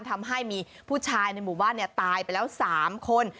ทำให้มีผู้ชายในหมู่บ้านตายไปแล้ว๓คน